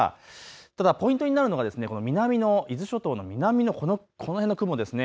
ただポイントになるのが伊豆諸島の南のこの雲です。